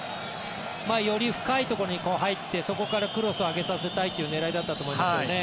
より深いところに入ってそこからクロスを上げさせたいという狙いだったと思いますね。